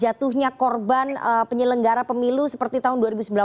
jadi jatuhnya korban penyelenggara pemilu seperti tahun dua ribu sembilan belas